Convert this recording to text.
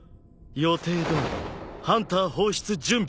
予定どおりハンター放出準備。